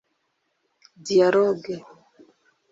Dialogue